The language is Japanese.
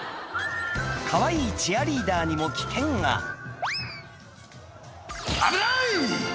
かわいいチアリーダーにも危険が「危ない！」